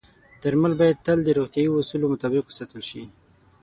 درمل باید تل د روغتیايي اصولو مطابق وساتل شي.